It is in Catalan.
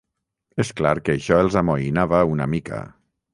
És clar que això els amoïnava una mica